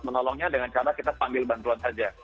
menolongnya dengan cara kita panggil bantuan saja